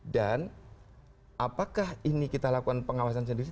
apakah ini kita lakukan pengawasan sendiri